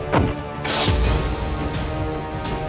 jangan lupa untuk berlangganan